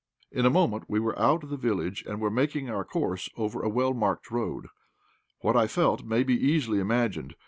In a moment we were out of the village and were taking our course over a well marked road. What I felt may be easily imagined.